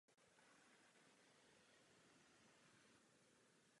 Hráči nastupující za tento tým jsou absolventi místní školy Eton College.